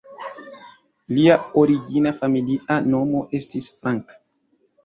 Lia origina familia nomo estis "Frank".